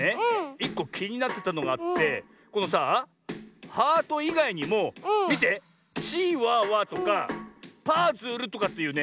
１こきになってたのがあってこのさあ「ハート」いがいにもみて「チワワ」とか「パズル」とかっていうね